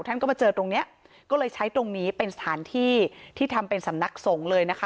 ท่านก็มาเจอตรงเนี้ยก็เลยใช้ตรงนี้เป็นสถานที่ที่ทำเป็นสำนักสงฆ์เลยนะคะ